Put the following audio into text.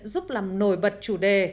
giúp làm nổi bật chủ đề